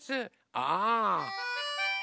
ああ。